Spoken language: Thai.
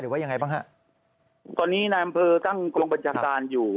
หรือว่ายังไงบ้างฮะตอนนี้นำเภอตั้งกรงปัจจันทรรย์อยู่